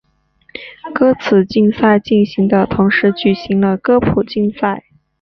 歌词竞赛进行的同时举行了歌谱竞赛。